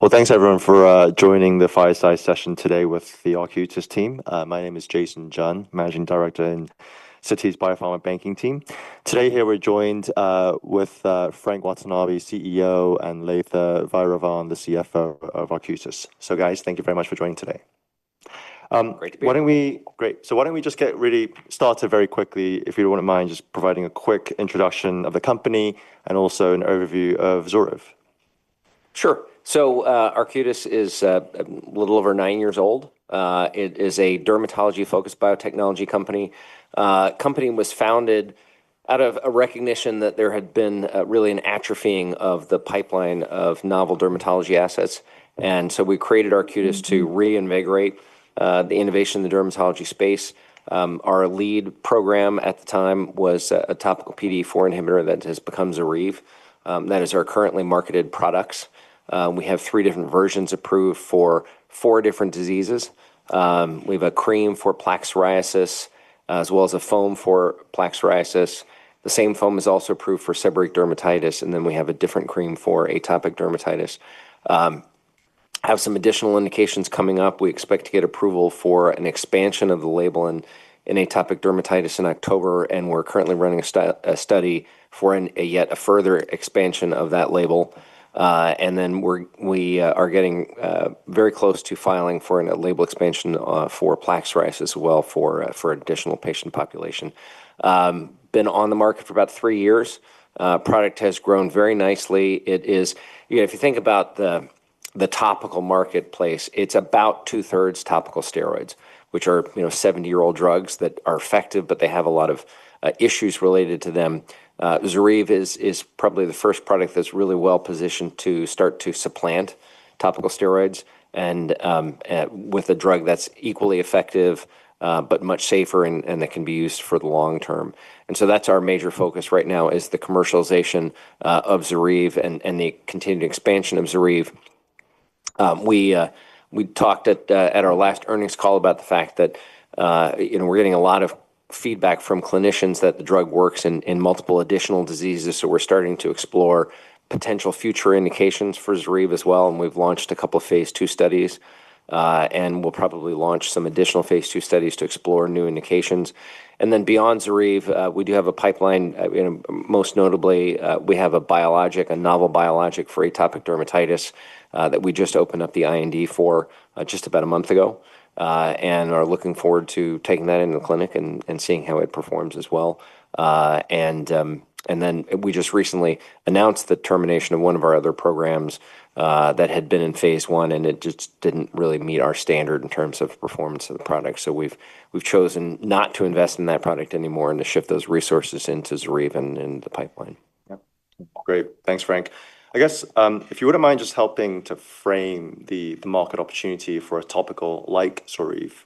Great. Thanks everyone for joining the fireside session today with the Arcutis team. My name is Jason Jun, Managing Director in the Citi BioPharma Banking team. Today we're joined with Frank Watanabe, CEO, and Latha Vairavan, the CFO of Arcutis. Guys, thank you very much for joining today. Why don't we just get really started very quickly if you don't mind just providing a quick introduction of the company and also an overview of ZORYVE? Sure. Arcutis Biotherapeutics is a little over nine years old. It is a dermatology-focused biotechnology company. The company was founded out of a recognition that there had been really an atrophying of the pipeline of novel dermatology assets. We created Arcutis Biotherapeutics to reinvigorate the innovation in the dermatology space. Our lead program at the time was a topical PDE4 inhibitor that has become ZORYVE. That is our currently marketed product. We have three different versions approved for four different diseases. We have a cream for plaque psoriasis, as well as a foam for plaque psoriasis. The same foam is also approved for seborrheic dermatitis, and then we have a different cream for atopic dermatitis. We have some additional indications coming up. We expect to get approval for an expansion of the label in atopic dermatitis in October, and we're currently running a study for a yet further expansion of that label. We are getting very close to filing for a label expansion for plaque psoriasis as well for an additional patient population. It's been on the market for about three years. The product has grown very nicely. If you think about the topical marketplace, it's about two-thirds topical steroids, which are 70-year-old drugs that are effective, but they have a lot of issues related to them. ZORYVE is probably the first product that's really well positioned to start to supplant topical steroids with a drug that's equally effective, but much safer, and that can be used for the long term. That's our major focus right now, the commercialization of ZORYVE and the continued expansion of ZORYVE. We talked at our last earnings call about the fact that we're getting a lot of feedback from clinicians that the drug works in multiple additional diseases. We're starting to explore potential future indications for ZORYVE as well. We've launched a couple of phase II studies, and we'll probably launch some additional phase II studies to explore new indications. Beyond ZORYVE, we do have a pipeline. Most notably, we have a biologic, a novel checkpoint agonist biologic for atopic dermatitis that we just opened up the IND for just about a month ago and are looking forward to taking that into the clinic and seeing how it performs as well. We just recently announced the termination of one of our other programs that had been in phase I, and it just didn't really meet our standard in terms of performance of the product. We've chosen not to invest in that product anymore and to shift those resources into ZORYVE and into the pipeline. Great. Thanks, Frank. I guess if you wouldn't mind just helping to frame the market opportunity for a topical like ZORYVE,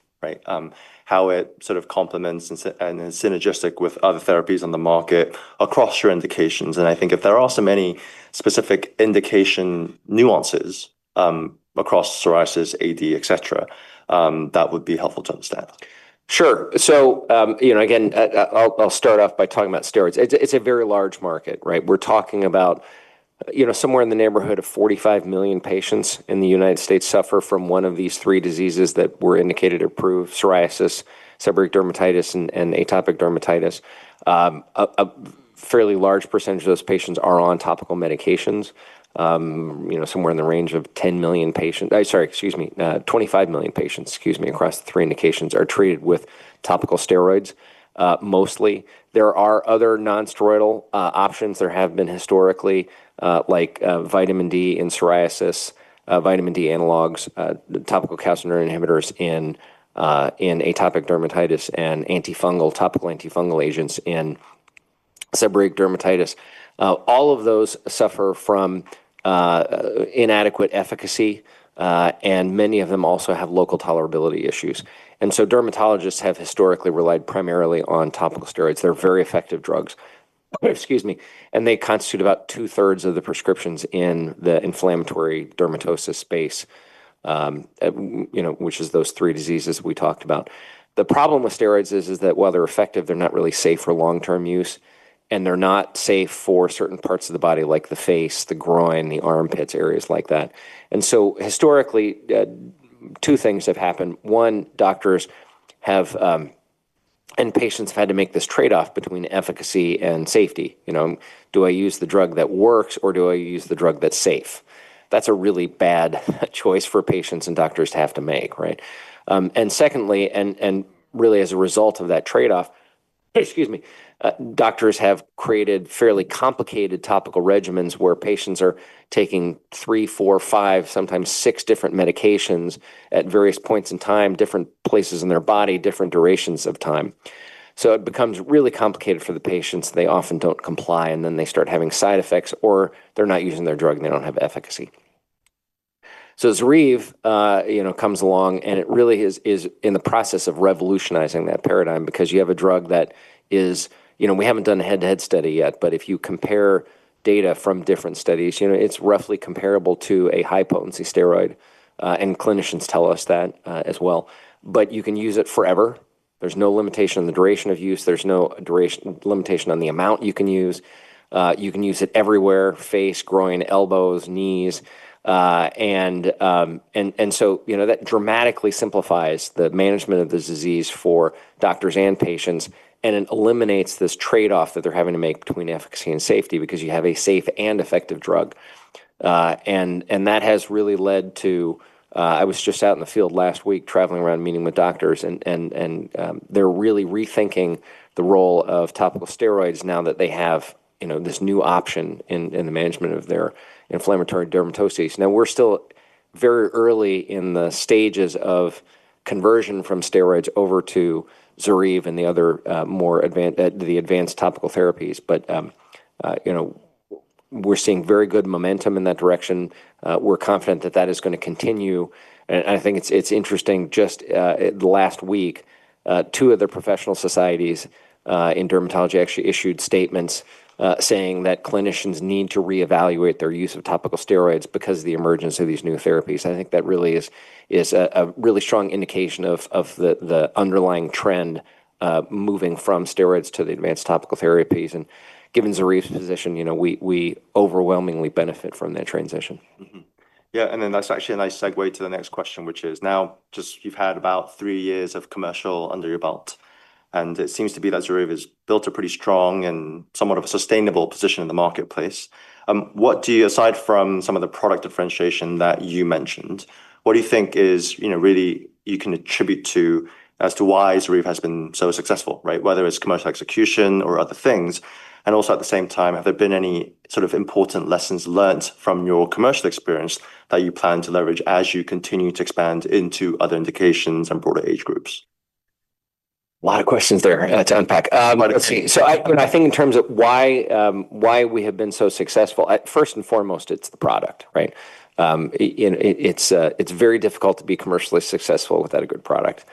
how it sort of complements and is synergistic with other therapies on the market across your indications. If there are so many specific indication nuances across psoriasis, atopic dermatitis, et cetera, that would be helpful to understand. Sure. So again, I'll start off by talking about steroids. It's a very large market. We're talking about somewhere in the neighborhood of 45 million patients in the United States suffer from one of these three diseases that we're indicated approved: psoriasis, seborrheic dermatitis, and atopic dermatitis. A fairly large percentage of those patients are on topical medications. Somewhere in the range of 10 million patients, sorry, excuse me, 25 million patients, excuse me, across the three indications are treated with topical steroids mostly. There are other non-steroidal options that have been historically, like vitamin D in psoriasis, vitamin D analogs, topical calcineurin inhibitors in atopic dermatitis, and topical antifungal agents in seborrheic dermatitis. All of those suffer from inadequate efficacy, and many of them also have local tolerability issues. Dermatologists have historically relied primarily on topical steroids. They're very effective drugs, excuse me, and they constitute about two-thirds of the prescriptions in the inflammatory dermatosis space, which is those three diseases we talked about. The problem with steroids is that while they're effective, they're not really safe for long-term use, and they're not safe for certain parts of the body, like the face, the groin, the armpits, areas like that. Historically, two things have happened. One, doctors and patients have had to make this trade-off between efficacy and safety. Do I use the drug that works, or do I use the drug that's safe? That's a really bad choice for patients and doctors to have to make. Secondly, and really as a result of that trade-off, doctors have created fairly complicated topical regimens where patients are taking three, four, five, sometimes six different medications at various points in time, different places in their body, different durations of time. It becomes really complicated for the patients. They often don't comply, and then they start having side effects, or they're not using their drug, and they don't have efficacy. ZORYVE comes along, and it really is in the process of revolutionizing that paradigm because you have a drug that is, you know, we haven't done a head-to-head study yet, but if you compare data from different studies, you know, it's roughly comparable to a high potency steroid, and clinicians tell us that as well. You can use it forever. There's no limitation on the duration of use. There's no limitation on the amount you can use. You can use it everywhere: face, groin, elbows, knees. That dramatically simplifies the management of the disease for doctors and patients, and it eliminates this trade-off that they're having to make between efficacy and safety because you have a safe and effective drug. That has really led to, I was just out in the field last week traveling around meeting with doctors, and they're really rethinking the role of topical steroids now that they have this new option in the management of their inflammatory dermatoses. We're still very early in the stages of conversion from steroids over to ZORYVE and the other more advanced topical therapies, but we're seeing very good momentum in that direction. We're confident that is going to continue. I think it's interesting, just the last week, two of the professional societies in dermatology actually issued statements saying that clinicians need to reevaluate their use of topical steroids because of the emergence of these new therapies. I think that really is a really strong indication of the underlying trend moving from steroids to the advanced topical therapies. Given ZORYVE's position, we overwhelmingly benefit from that transition. Yeah, and that's actually a nice segue to the next question, which is now just you've had about three years of commercial under your belt. It seems to be that ZORYVE has built a pretty strong and somewhat of a sustainable position in the marketplace. What do you, aside from some of the product differentiation that you mentioned, what do you think is really you can attribute to as to why ZORYVE has been so successful, whether it's commercial execution or other things? Also, at the same time, have there been any sort of important lessons learned from your commercial experience that you plan to leverage as you continue to expand into other indications and broader age groups? A lot of questions there to unpack. I think in terms of why we have been so successful, first and foremost, it's the product. It's very difficult to be commercially successful without a good product.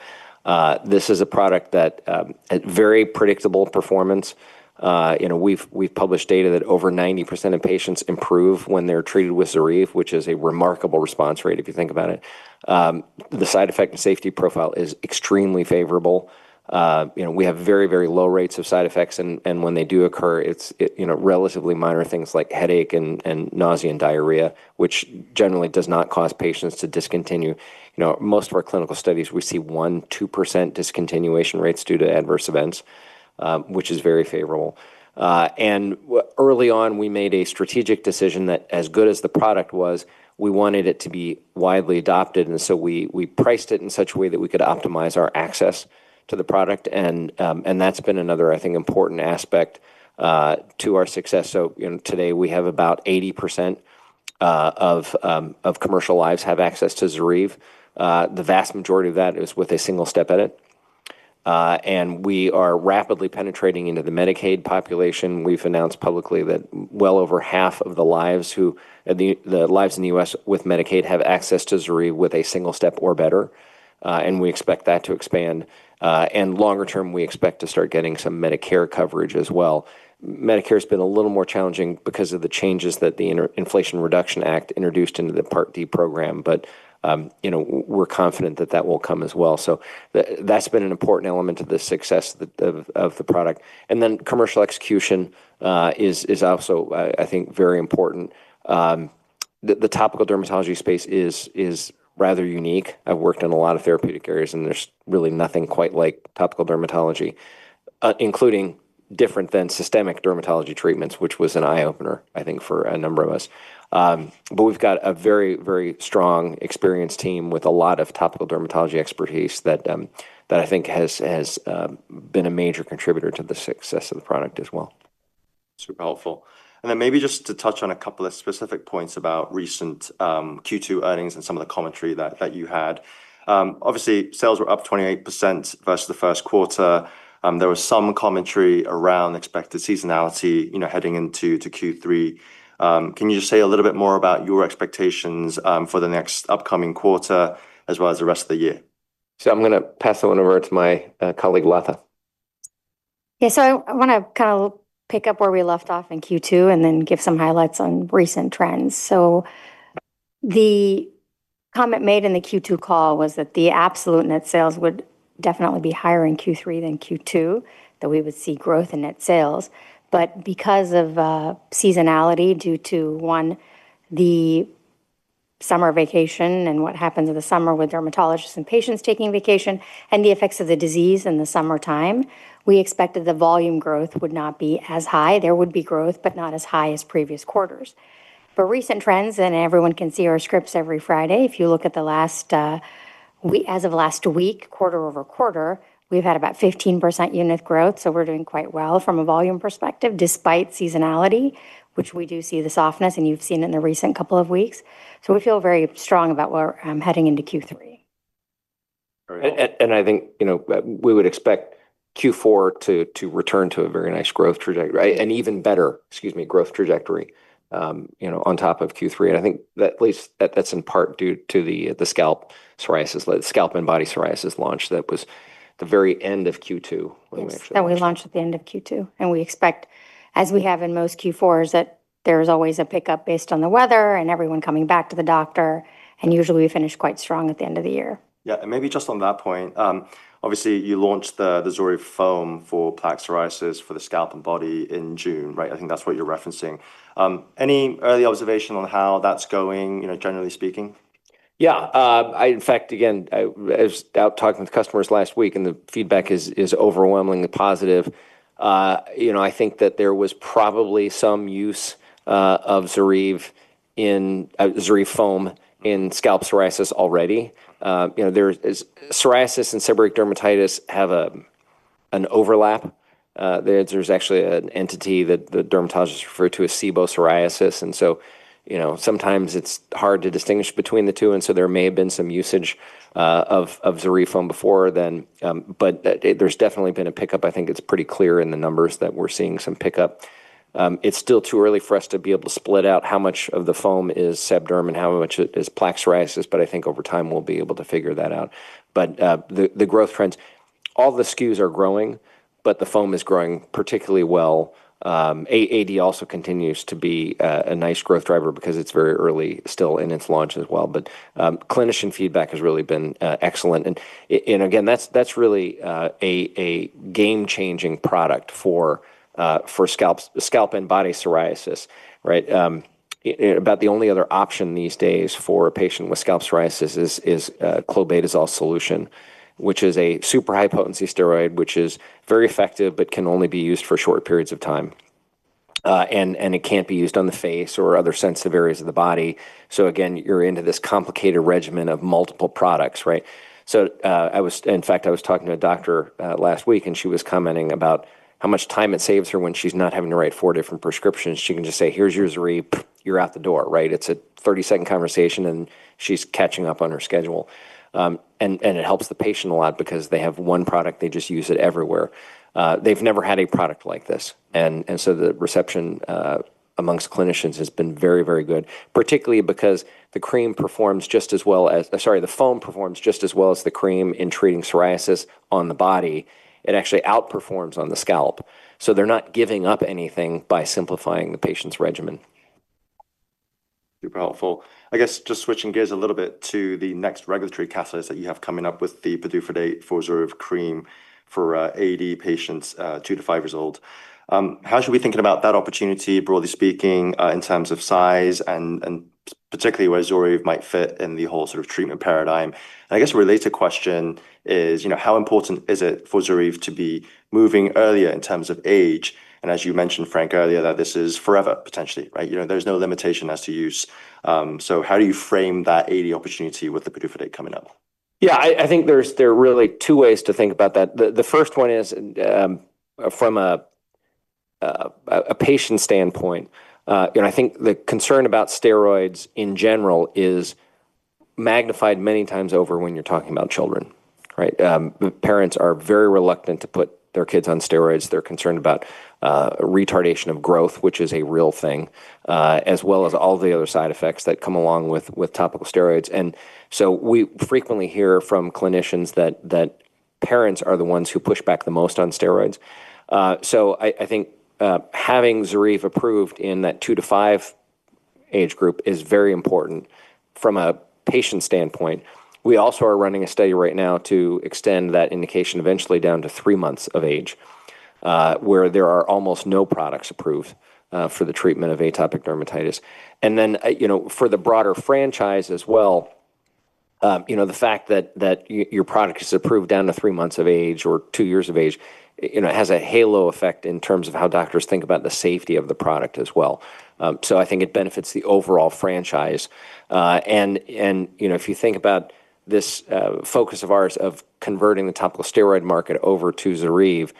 This is a product that has very predictable performance. We've published data that over 90% of patients improve when they're treated with ZORYVE, which is a remarkable response rate if you think about it. The side effect safety profile is extremely favorable. We have very, very low rates of side effects, and when they do occur, it's relatively minor things like headache and nausea and diarrhea, which generally does not cause patients to discontinue. Most of our clinical studies, we see 1%-2% discontinuation rates due to adverse events, which is very favorable. Early on, we made a strategic decision that as good as the product was, we wanted it to be widely adopted. We priced it in such a way that we could optimize our access to the product. That's been another, I think, important aspect to our success. Today we have about 80% of commercial lives have access to ZORYVE. The vast majority of that is with a single step edit. We are rapidly penetrating into the Medicaid population. We've announced publicly that well over half of the lives in the U.S. with Medicaid have access to ZORYVE with a single step or better. We expect that to expand. Longer term, we expect to start getting some Medicare coverage as well. Medicare has been a little more challenging because of the changes that the Inflation Reduction Act introduced into the Part D program. We're confident that that will come as well. That's been an important element of the success of the product. Commercial execution is also, I think, very important. The topical dermatology space is rather unique. I've worked in a lot of therapeutic areas, and there's really nothing quite like topical dermatology, including different than systemic dermatology treatments, which was an eye opener, I think, for a number of us. We've got a very, very strong experienced team with a lot of topical dermatology expertise that I think has been a major contributor to the success of the product as well. Super helpful. Maybe just to touch on a couple of specific points about recent Q2 earnings and some of the commentary that you had. Obviously, sales were up 28% versus the first quarter. There was some commentary around expected seasonality heading into Q3. Can you just say a little bit more about your expectations for the next upcoming quarter as well as the rest of the year? I'm going to pass it over to my colleague Latha. Yeah, I want to kind of pick up where we left off in Q2 and then give some highlights on recent trends. The comment made in the Q2 call was that the absolute net sales would definitely be higher in Q3 than Q2, that we would see growth in net sales. Because of seasonality due to, one, the summer vacation and what happens in the summer with dermatologists and patients taking vacation and the effects of the disease in the summertime, we expected the volume growth would not be as high. There would be growth, but not as high as previous quarters. Recent trends, and everyone can see our scripts every Friday. If you look at the last, as of last week, quarter over quarter, we've had about 15% unit growth. We're doing quite well from a volume perspective despite seasonality, which we do see the softness, and you've seen it in the recent couple of weeks. We feel very strong about where we're heading into Q3. I think we would expect Q4 to return to a very nice growth trajectory, and even better, excuse me, growth trajectory on top of Q3. I think that at least that's in part due to the scalp psoriasis, the scalp and body psoriasis launch that was the very end of Q2. That we launched at the end of Q2. We expect, as we have in most Q4s, that there's always a pickup based on the weather and everyone coming back to the doctor. Usually we finish quite strong at the end of the year. Yeah, and maybe just on that point, obviously you launched the ZORYVE foam 0.3% for plaque psoriasis for the scalp and body in June, right? I think that's what you're referencing. Any early observation on how that's going, generally speaking? Yeah, in fact, I was out talking with customers last week, and the feedback is overwhelmingly positive. I think that there was probably some use of ZORYVE foam in scalp psoriasis already. Psoriasis and seborrheic dermatitis have an overlap. There's actually an entity that the dermatologists refer to as sebo-psoriasis, and sometimes it's hard to distinguish between the two. There may have been some usage of ZORYVE foam before then, but there's definitely been a pickup. I think it's pretty clear in the numbers that we're seeing some pickup. It's still too early for us to be able to split out how much of the foam is seb derm and how much is plaque psoriasis, but I think over time we'll be able to figure that out. The growth trends, all the SKUs are growing, but the foam is growing particularly well. Atopic dermatitis also continues to be a nice growth driver because it's very early still in its launch as well. Clinician feedback has really been excellent. That's really a game-changing product for scalp and body psoriasis. About the only other option these days for a patient with scalp psoriasis is clobetasol solution, which is a super high potency steroid, which is very effective, but can only be used for short periods of time. It can't be used on the face or other sensitive areas of the body. You're into this complicated regimen of multiple products. In fact, I was talking to a doctor last week, and she was commenting about how much time it saves her when she's not having to write four different prescriptions. She can just say, "Here's your ZORYVE, you're out the door." It's a 30-second conversation, and she's catching up on her schedule. It helps the patient a lot because they have one product; they just use it everywhere. They've never had a product like this. The reception amongst clinicians has been very, very good, particularly because the foam performs just as well as the cream in treating psoriasis on the body. It actually outperforms on the scalp. They're not giving up anything by simplifying the patient's regimen. Super helpful. I guess just switching gears a little bit to the next regulatory catalyst that you have coming up with the PDUFA for ZORYVE Cream for AD patients two to five years old. How should we be thinking about that opportunity, broadly speaking, in terms of size and particularly where ZORYVE might fit in the whole sort of treatment paradigm? I guess a related question is, how important is it for ZORYVE to be moving earlier in terms of age? As you mentioned, Frank, earlier that this is forever potentially, right? There's no limitation as to use. How do you frame that AD opportunity with the PDUFA coming up? Yeah, I think there's really two ways to think about that. The first one is from a patient standpoint. I think the concern about steroids in general is magnified many times over when you're talking about children. The parents are very reluctant to put their kids on steroids. They're concerned about retardation of growth, which is a real thing, as well as all the other side effects that come along with topical steroids. We frequently hear from clinicians that parents are the ones who push back the most on steroids. I think having ZORYVE approved in that two to five age group is very important from a patient standpoint. We also are running a study right now to extend that indication eventually down to three months of age, where there are almost no products approved for the treatment of atopic dermatitis. For the broader franchise as well, the fact that your product is approved down to three months of age or two years of age has a halo effect in terms of how doctors think about the safety of the product as well. I think it benefits the overall franchise. If you think about this focus of ours of converting the topical steroid market over to ZORYVE,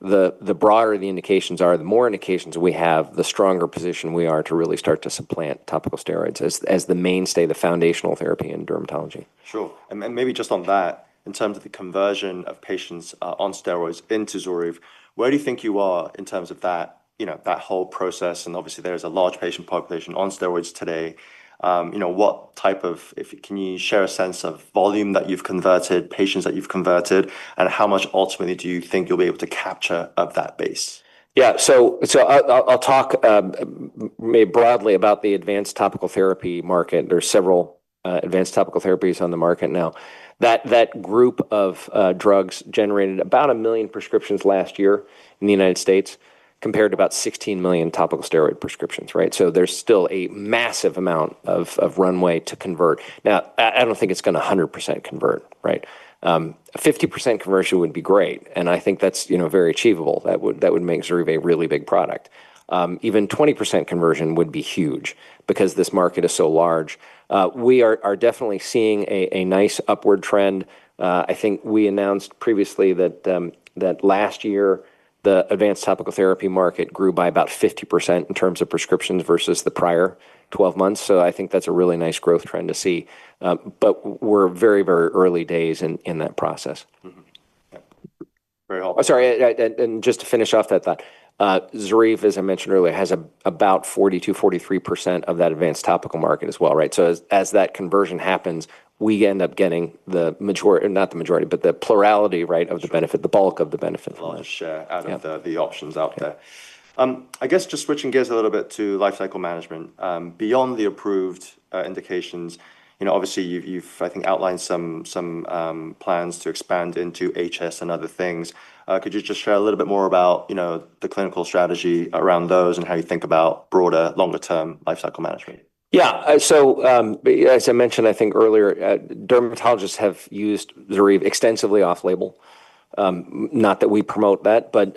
the broader the indications are, the more indications we have, the stronger position we are to really start to supplant topical steroids as the mainstay, the foundational therapy in dermatology. Sure. Maybe just on that, in terms of the conversion of patients on steroids into ZORYVE, where do you think you are in terms of that whole process? Obviously, there is a large patient population on steroids today. What type of, can you share a sense of volume that you've converted, patients that you've converted, and how much ultimately do you think you'll be able to capture of that base? Yeah, so I'll talk broadly about the advanced topical therapy market. There are several advanced topical therapies on the market now. That group of drugs generated about 1 million prescriptions last year in the U.S., compared to about 16 million topical steroid prescriptions, right? There is still a massive amount of runway to convert. Now, I don't think it's going to 100% convert, right? 50% conversion would be great, and I think that's very achievable. That would make ZORYVE a really big product. Even 20% conversion would be huge because this market is so large. We are definitely seeing a nice upward trend. I think we announced previously that last year, the advanced topical therapy market grew by about 50% in terms of prescriptions versus the prior 12 months. I think that's a really nice growth trend to see. We're very, very early days in that process. Very helpful. Sorry, and just to finish off that thought, ZORYVE, as I mentioned earlier, has about 42%-43% of that advanced topical market as well, right? As that conversion happens, we end up getting not the majority, but the plurality of the benefit, the bulk of the benefit. The fullest share out of the options out there. I guess just switching gears a little bit to lifecycle management. Beyond the approved indications, obviously you've outlined some plans to expand into HS and other things. Could you just share a little bit more about the clinical strategy around those and how you think about broader, longer-term lifecycle management? Yeah, as I mentioned earlier, dermatologists have used ZORYVE extensively off-label. Not that we promote that, but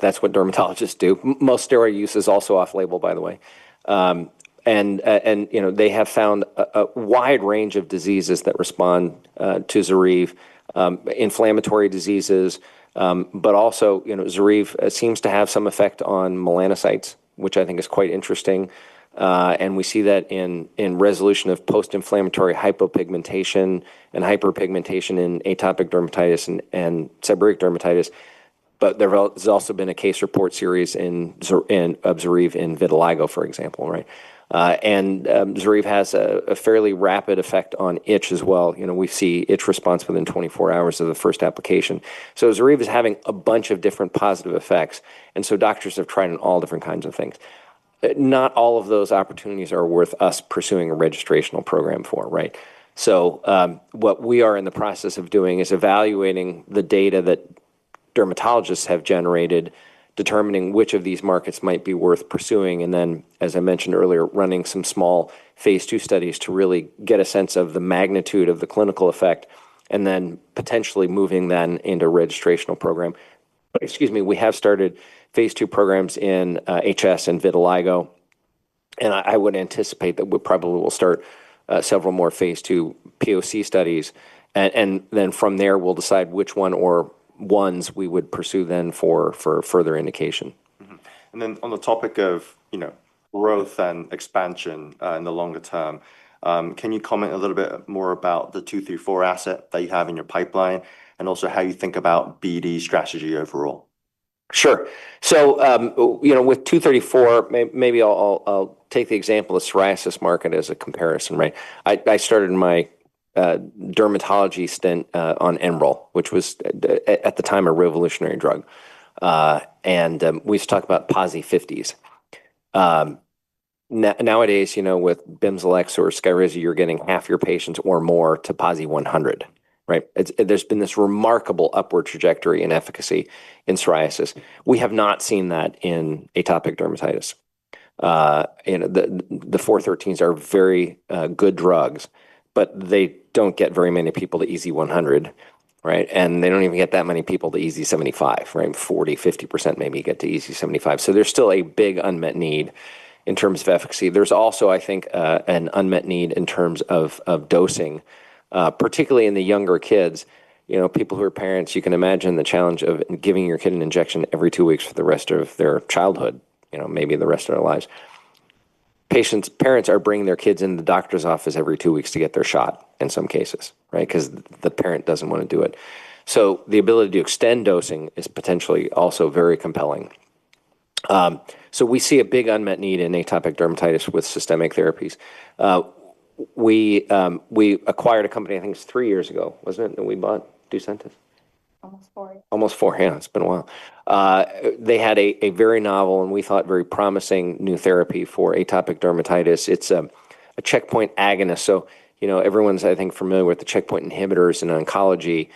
that's what dermatologists do. Most steroid use is also off-label, by the way. They have found a wide range of diseases that respond to ZORYVE, inflammatory diseases, but also ZORYVE seems to have some effect on melanocytes, which I think is quite interesting. We see that in resolution of post-inflammatory hypopigmentation and hyperpigmentation in atopic dermatitis and seborrheic dermatitis. There has also been a case report series of ZORYVE in vitiligo, for example, right? ZORYVE has a fairly rapid effect on itch as well. We see itch response within 24 hours of the first application. ZORYVE is having a bunch of different positive effects, so doctors have tried it in all different kinds of things. Not all of those opportunities are worth us pursuing a registrational program for, right? We are in the process of evaluating the data that dermatologists have generated, determining which of these markets might be worth pursuing. As I mentioned earlier, we are running some small phase II studies to really get a sense of the magnitude of the clinical effect and then potentially moving into a registrational program. Excuse me, we have started phase II programs in hidradenitis suppurativa and vitiligo. I would anticipate that we probably will start several more phase II proof-of-concept studies, and from there, we'll decide which one or ones we would pursue for further indication. On the topic of growth and expansion in the longer term, can you comment a little bit more about the ARQ-234 asset that you have in your pipeline and also how you think about BD strategy overall? Sure. With ARQ-234, maybe I'll take the example of the psoriasis market as a comparison, right? I started my dermatology stint on Enbrel, which was at the time a revolutionary drug. We used to talk about PASI 50s. Nowadays, with Bimzelx or Skyrizi, you're getting half your patients or more to PASI 100, right? There's been this remarkable upward trajectory in efficacy in psoriasis. We have not seen that in atopic dermatitis. The 413s are very good drugs, but they don't get very many people to EASI 100, right? They don't even get that many people to EASI 75, right? 40%-50% maybe get to EASI 75. There's still a big unmet need in terms of efficacy. There's also, I think, an unmet need in terms of dosing, particularly in the younger kids. People who are parents, you can imagine the challenge of giving your kid an injection every two weeks for the rest of their childhood, maybe the rest of their lives. Patients' parents are bringing their kids into the doctor's office every two weeks to get their shot in some cases, right? The parent doesn't want to do it. The ability to extend dosing is potentially also very compelling. We see a big unmet need in atopic dermatitis with systemic therapies. We acquired a company, I think it's three years ago, wasn't it that we bought Ducentis? Almost four. Almost four. Yeah, it's been a while. They had a very novel and we thought very promising new therapy for atopic dermatitis. It's a checkpoint agonist. Everyone's, I think, familiar with the checkpoint inhibitors in oncology.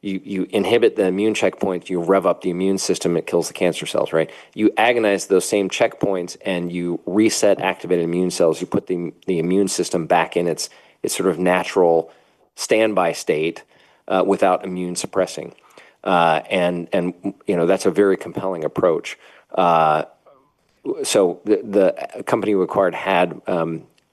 You inhibit the immune checkpoint, you rev up the immune system, it kills the cancer cells, right? You agonize those same checkpoints and you reset activated immune cells. You put the immune system back in its sort of natural standby state without immune suppressing. That's a very compelling approach. The company we acquired had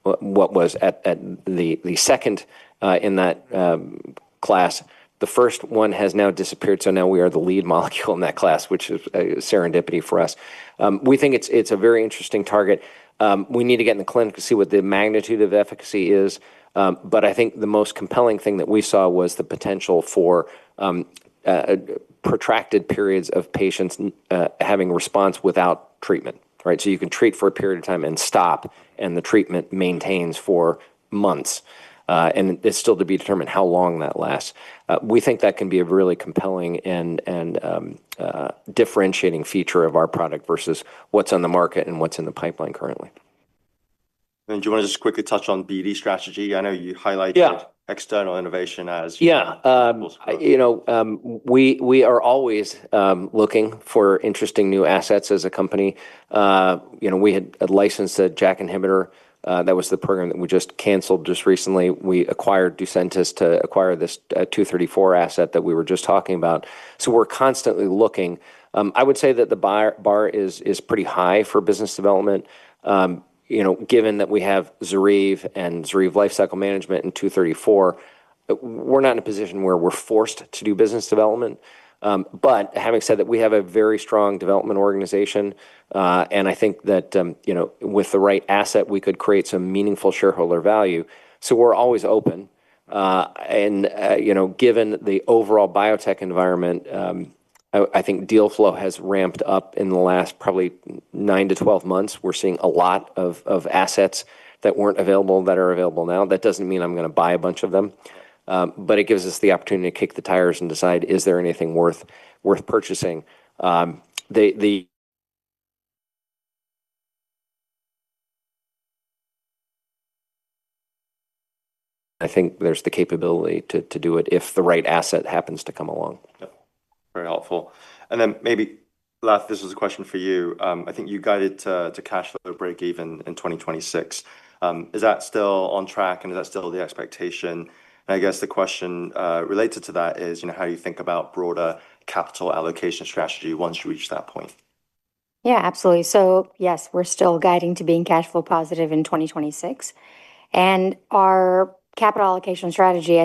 what was at the second in that class. The first one has now disappeared. Now we are the lead molecule in that class, which is serendipity for us. We think it's a very interesting target. We need to get in the clinic to see what the magnitude of efficacy is. I think the most compelling thing that we saw was the potential for protracted periods of patients having response without treatment, right? You can treat for a period of time and stop, and the treatment maintains for months. It's still to be determined how long that lasts. We think that can be a really compelling and differentiating feature of our product versus what's on the market and what's in the pipeline currently. Do you want to just quickly touch on BD strategy? I know you highlighted external innovation as. Yeah, you know, we are always looking for interesting new assets as a company. We had licensed the JAK inhibitor. That was the program that we just canceled just recently. We acquired Ducentis to acquire this 234 asset that we were just talking about. We are constantly looking. I would say that the bar is pretty high for business development. Given that we have ZORYVE and ZORYVE lifecycle management in 234, we're not in a position where we're forced to do business development. Having said that, we have a very strong development organization. I think that with the right asset, we could create some meaningful shareholder value. We are always open. Given the overall biotech environment, I think deal flow has ramped up in the last probably nine to twelve months. We're seeing a lot of assets that weren't available that are available now. That doesn't mean I'm going to buy a bunch of them. It gives us the opportunity to kick the tires and decide, is there anything worth purchasing? I think there's the capability to do it if the right asset happens to come along. Very helpful. Maybe last, this is a question for you. I think you guided to cash flow break even in 2026. Is that still on track, and is that still the expectation? I guess the question related to that is, you know, how do you think about broader capital allocation strategy once you reach that point? Yeah, absolutely. Yes, we're still guiding to being cash flow positive in 2026. Our capital allocation strategy,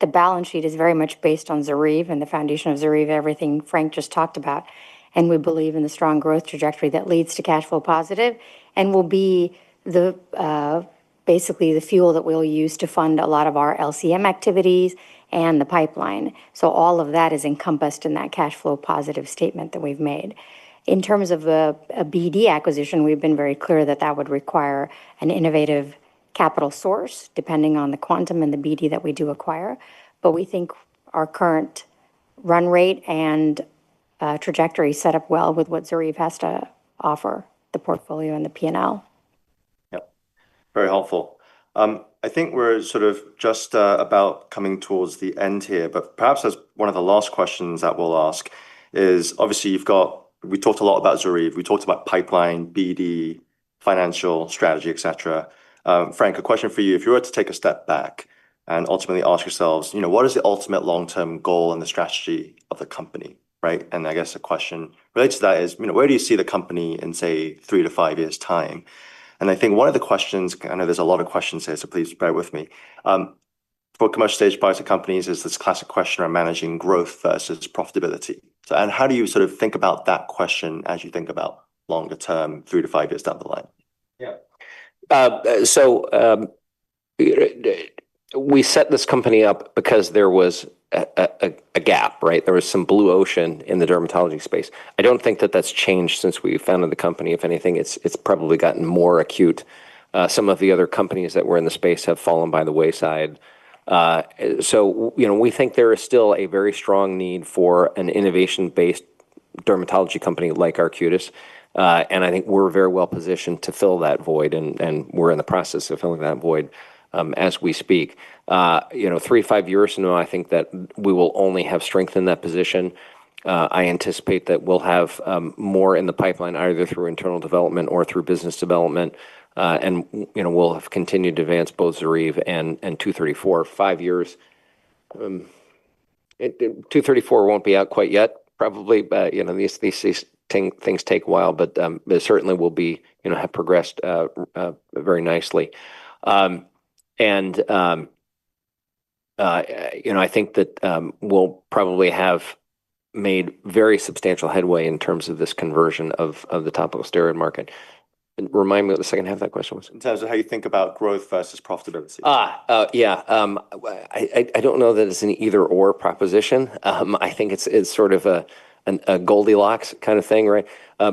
the balance sheet is very much based on ZORYVE and the foundation of ZORYVE, everything Frank just talked about. We believe in the strong growth trajectory that leads to cash flow positive. We'll be basically the fuel that we'll use to fund a lot of our LCM activities and the pipeline. All of that is encompassed in that cash flow positive statement that we've made. In terms of a BD acquisition, we've been very clear that that would require an innovative capital source depending on the quantum and the BD that we do acquire. We think our current run rate and trajectory set up well with what ZORYVE has to offer, the portfolio and the P&L. Very helpful. I think we're just about coming towards the end here, but perhaps that's one of the last questions that we'll ask. Obviously, you've got, we talked a lot about ZORYVE, we talked about pipeline, BD, financial strategy, et cetera. Frank, a question for you. If you were to take a step back and ultimately ask yourselves, you know, what is the ultimate long-term goal and the strategy of the company, right? I guess a question related to that is, you know, where do you see the company in, say, three to five years' time? I think one of the questions, I know there's a lot of questions there, so please bear with me. For commercial stage biotech companies, it's this classic question of managing growth versus profitability. How do you sort of think about that question as you think about longer term, three to five years down the line? Yeah. We set this company up because there was a gap, right? There was some blue ocean in the dermatology space. I don't think that that's changed since we founded the company. If anything, it's probably gotten more acute. Some of the other companies that were in the space have fallen by the wayside. We think there is still a very strong need for an innovation-based dermatology company like Arcutis. I think we're very well positioned to fill that void, and we're in the process of filling that void as we speak. Three to five years from now, I think that we will only have strength in that position. I anticipate that we'll have more in the pipeline, either through internal development or through business development. We'll have continued to advance both ZORYVE and ARQ-234. Five years, ARQ-234 won't be out quite yet, probably. These things take a while, but certainly we'll have progressed very nicely. I think that we'll probably have made very substantial headway in terms of this conversion of the topical steroid market. Remind me what the second half of that question was. In terms of how you think about growth versus profitability. I don't know that it's an either-or proposition. I think it's sort of a Goldilocks kind of thing, right?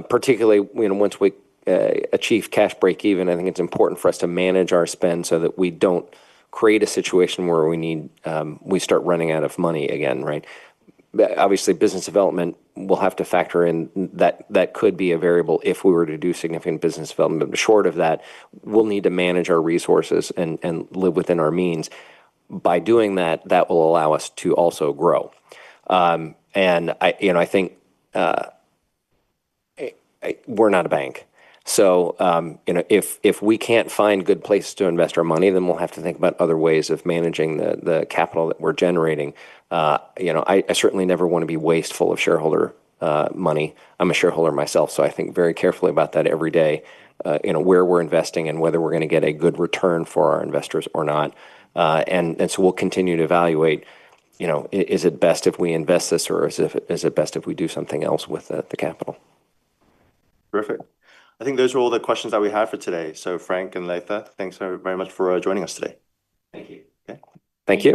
Particularly once we achieve cash break even, I think it's important for us to manage our spend so that we don't create a situation where we start running out of money again, right? Obviously, business development will have to factor in that. That could be a variable if we were to do significant business development. Short of that, we'll need to manage our resources and live within our means. By doing that, that will allow us to also grow. I think we're not a bank. If we can't find good places to invest our money, then we'll have to think about other ways of managing the capital that we're generating. I certainly never want to be wasteful of shareholder money. I'm a shareholder myself, so I think very carefully about that every day, where we're investing and whether we're going to get a good return for our investors or not. We'll continue to evaluate, is it best if we invest this or is it best if we do something else with the capital? Perfect. I think those are all the questions that we have for today. Frank and Latha, thanks very much for joining us today. Thank you.